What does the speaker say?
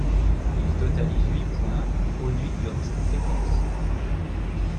Il totalise huit points produits durant cette séquence.